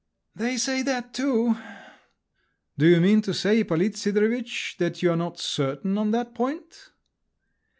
"They say that too." "Do you mean to say, Ippolit Sidorovitch, you are not certain on that point?"